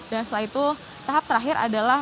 dan setelah itu tahap terakhir adalah